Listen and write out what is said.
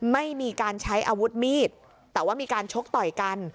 ไม่มีการใช้อาวุธมีดแต่ว่ามีการชกต่อยกัน